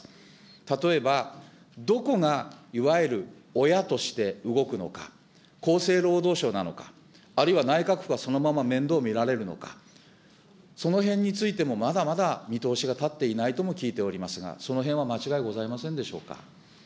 例えばどこがいわゆる親として動くのか、厚生労働省なのか、あるいは内閣府がそのまま面倒みられるのか、そのへんについてもまだまだ見通しが立っていないとも聞いておりますが、そのへんは間違いございませんでしょうか。